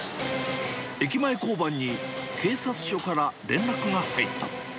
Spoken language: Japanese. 駅前交番に、警察署から連絡が入った。